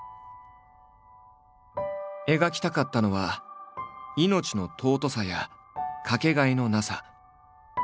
描きたかったのは「命の尊さ」や「かけがえのなさ」。